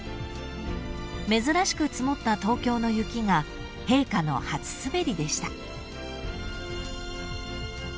［珍しく積もった東京の雪が陛下の初滑りでした］